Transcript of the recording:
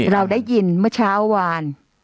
เราได้ยินเมื่อเช้าวาน